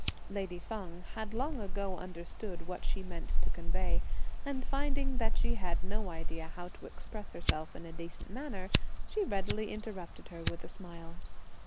Lady Feng had long ago understood what she meant to convey, and finding that she had no idea how to express herself in a decent manner, she readily interrupted her with a smile.